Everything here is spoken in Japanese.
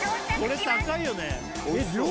これ高いよね量